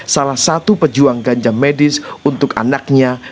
salah satu pejuang ganja medis untuk anaknya